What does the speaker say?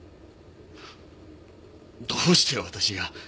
どうして私が。